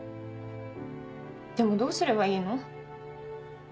でもどうすればいいの？